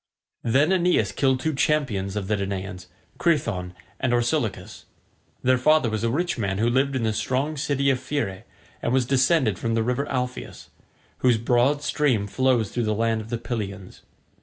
Then Aeneas killed two champions of the Danaans, Crethon and Orsilochus. Their father was a rich man who lived in the strong city of Phere and was descended from the river Alpheus, whose broad stream flows through the land of the Pylians.